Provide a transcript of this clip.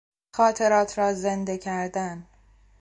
خاطرات را زنده کردن